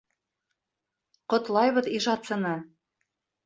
Ҡотлайбыҙ ижадсыны!